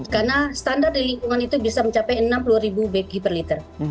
karena standar di lingkungan itu bisa mencapai enam puluh beki per liter